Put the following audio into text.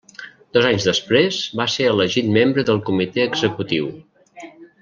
Dos anys després va ser elegit membre del Comitè Executiu.